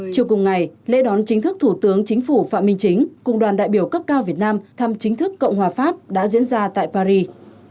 chiều cùng ngày lễ đón chính thức thủ tướng chính phủ phạm minh chính cùng đoàn đại biểu cấp cao việt nam thăm chính thức cộng hòa pháp đã diễn ra tại paris